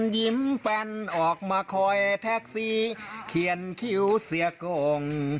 ยิ้มแฟนออกมาคอยแท็กซี่เขียนคิ้วเสียกง